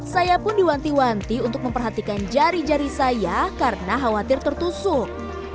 saya pun diwanti wanti untuk memperhatikan jari jari saya karena khawatir tertusuk